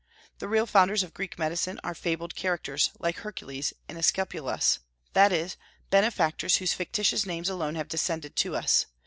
The real founders of Greek medicine are fabled characters, like Hercules and Aesculapius, that is, benefactors whose fictitious names alone have descended to us.